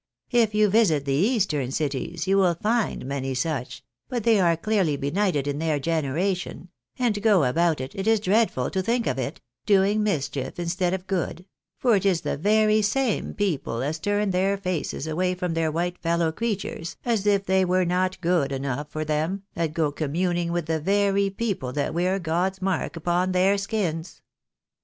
If you visit the eastern cities, you will find many such — ^but they are clearly benighted in their generation — and go about, it is dreadful to think of it, doing mischief instead of good ; for it is the very same people as turn their faces away from their white fellow creatures, as if they were not good enough for them, that go communing with the very people that wear God's mark upon their skins.